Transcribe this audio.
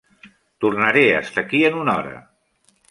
Tornaré a estar aquí en una hora.